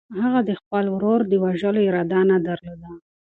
هغه د خپل ورور د وژلو اراده نه درلوده.